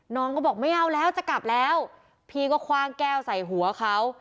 น้องก็บอกไม่เอาแล้วจะกลับแล้วพี่ก็คว่างแก้วใส่หัวเขา